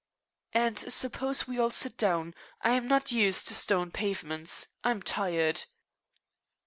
And suppose we all sit down. I'm not used to stone pavements. I'm tired."